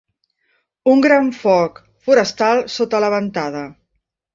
Un gran foc forestal sota la ventada.